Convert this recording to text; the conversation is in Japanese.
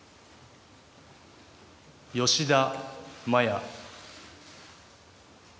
吉田麻也。